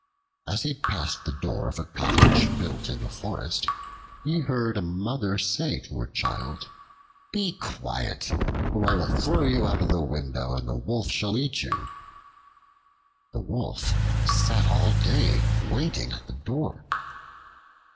As he passed the door of a cottage built in the forest, he heard a Mother say to her child, "Be quiet, or I will throw you out of the window, and the Wolf shall eat you." The Wolf sat all day waiting at the door.